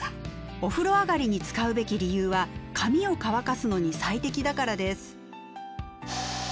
お風呂上がりに使うべき理由は髪を乾かすのに最適だからです。